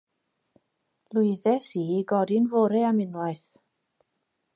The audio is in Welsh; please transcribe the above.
Lwyddes i i godi'n fore am unwaith.